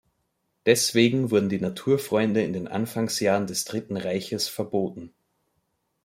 Deswegen wurden die Naturfreunde in den Anfangsjahren des Dritten Reiches verboten.